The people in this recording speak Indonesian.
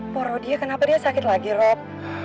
porodia kenapa dia sakit lagi rob